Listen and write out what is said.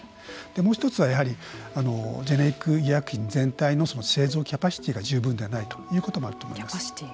もう一つは、やはりジェネリック医薬品全体の製造キャパシティーが十分でないということもあると思います。